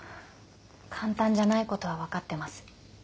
簡単じゃないことは分かってます。